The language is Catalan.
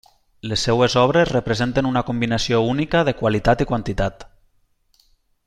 Les seves obres representen una combinació única de qualitat i quantitat.